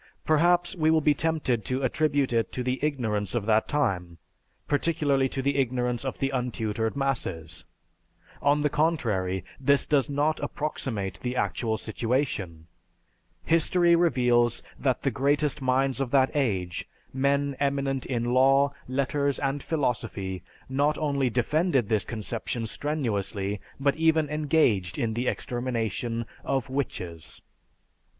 Perhaps we will be tempted to attribute it to the ignorance of that time, particularly to the ignorance of the untutored masses. On the contrary, this does not approximate the actual situation. History reveals that the greatest minds of that age, men eminent in law, letters, and philosophy, not only defended this conception strenuously, but even engaged in the extermination of "witches."